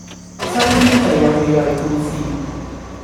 身邊就有美麗故事